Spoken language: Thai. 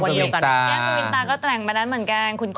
แก้งเขวิลตาส์ก็แกล่งไปนั้นเหมือนกัน